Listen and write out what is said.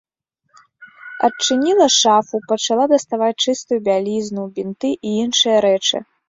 Адчыніла шафу, пачала даставаць чыстую бялізну, бінты і іншыя рэчы.